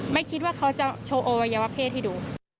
ไม่คิดว่าเขาจะโชว์อวัยวะเพศให้ดู